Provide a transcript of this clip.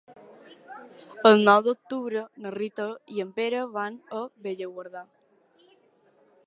El nou d'octubre na Rita i en Pere van a Bellaguarda.